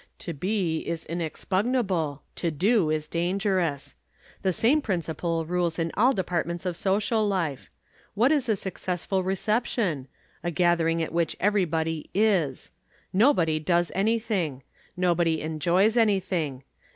To be is inexpugnable, to do is dangerous. The same principle rules in all departments of social life. What is a successful reception? A gathering at which everybody is. Nobody does anything. Nobody enjoys anything.